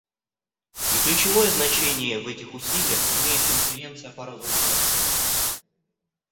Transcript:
И ключевое значение в этих усилиях имеет Конференция по разоружению.